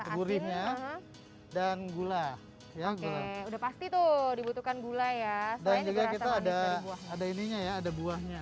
gurihnya dan gula yang udah pasti tuh dibutuhkan gula ya dan juga kita ada ada ininya ya ada buahnya